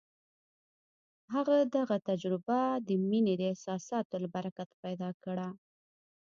هغه دغه تجربه د مينې د احساساتو له برکته پيدا کړه.